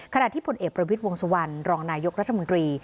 ขณะที่ผลเอกประวิทย์วงสุวรรณรองนายกรัฐมนตรี